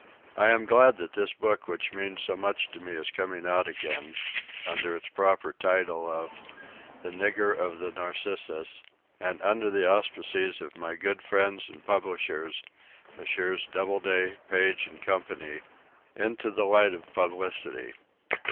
I am glad that this book which means so much to me is coming out again, under its proper title of "The Nigger of the 'Narcissus'" and under the auspices of my good friends and publishers Messrs. Doubleday, Page & Co. into the light of publicity.